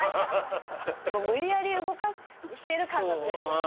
無理やり動かしてる感覚ですよね。